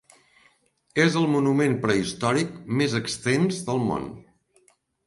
És el monument prehistòric més extens del món.